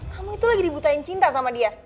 kamu itu lagi dibutain cinta sama dia